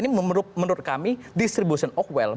ini menurut kami distribution of well